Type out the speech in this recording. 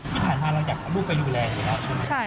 ที่ผ่านมาเราอยากเอาลูกไปดูแลอยู่แล้วใช่ไหม